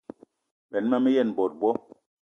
Benn ma me yen bot bo.